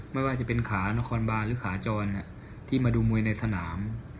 ไม่ว่าจะเป็นขานครบานหรือขาจรที่มาดูมวยในสนาม